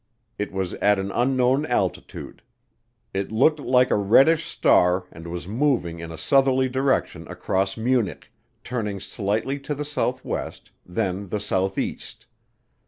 It was at an unknown altitude. It looked like a reddish star and was moving in a southerly direction across Munich, turning slightly to the southwest then the southeast.